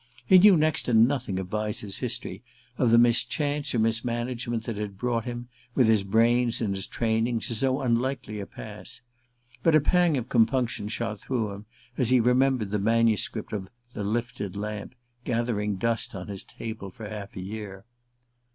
He knew next to nothing of Vyse's history, of the mischance or mis management that had brought him, with his brains and his training, to so unlikely a pass. But a pang of compunction shot through him as he remembered the manuscript of "The Lifted Lamp" gathering dust on his table for half a year.